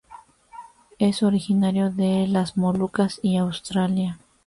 Es originario de las Molucas y Australia.